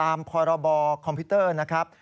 พรบคอมพิวเตอร์นะครับ